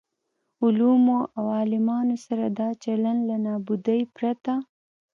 علومو او عالمانو سره دا چلن له نابودۍ پرته.